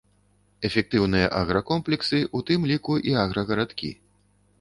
Эфектыўныя агракомплексы, у тым ліку і аграгарадкі.